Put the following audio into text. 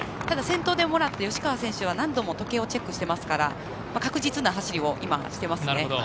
ただ、先頭でもらった吉川選手は何度も時計をチェックしてますから確実な走りを、今、していますね。